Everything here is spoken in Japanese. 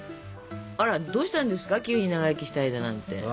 あらどうしたんですか急に長生きしたいだなんて。